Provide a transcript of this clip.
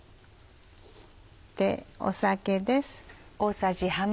酒です。